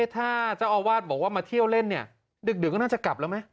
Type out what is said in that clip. ถ้าเจ้าอาวาสบอกว่ามาเที่ยวเล่นเนี่ยดึกก็น่าจะกลับแล้วไหม